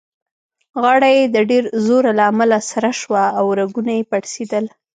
غاړه يې د ډېر زوره له امله سره شوه او رګونه يې پړسېدل.